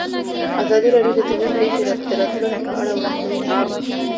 ازادي راډیو د طبیعي پېښې د راتلونکې په اړه وړاندوینې کړې.